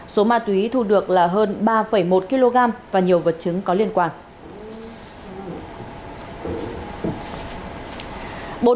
số ma túy thu được là hơn ba một kg và nhiều vật chứng có liên quan